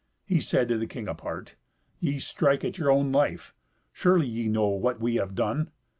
He said to the king apart, "Ye strike at your own life. Surely ye know what we have done.